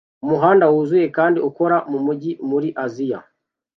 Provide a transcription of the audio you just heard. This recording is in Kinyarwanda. Umuhanda wuzuye kandi ukora mumujyi muri Aziya